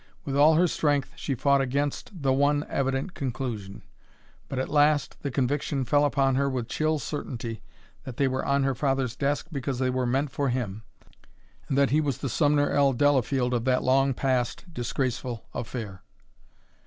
With all her strength she fought against the one evident conclusion. But at last the conviction fell upon her with chill certainty that they were on her father's desk because they were meant for him, and that he was the Sumner L. Delafield of that long past, disgraceful affair.